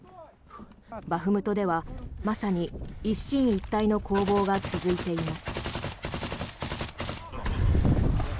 バフムトではまさに一進一退の攻防が続いています。